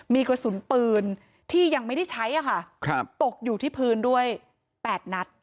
มีกระสุนปืนที่ยังไม่ได้ใช้ค่ะตกอยู่ที่พื้นด้วย๘นัด